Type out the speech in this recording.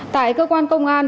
tại cơ quan công an